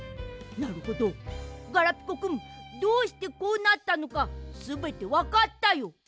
なるほどガラピコくんどうしてこうなったのかすべてわかったよ。